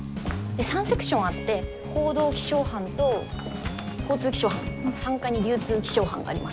３セクションあって報道気象班と交通気象班３階に流通気象班があります。